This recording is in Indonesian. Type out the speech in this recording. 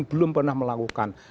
belum pernah melakukan